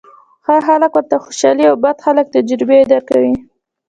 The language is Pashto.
ښه خلک درته خوشالۍ او بد خلک تجربې درکوي.